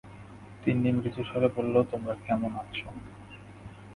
তিন্নি মৃদুস্বরে বলল, তোমরা কেমন আছ?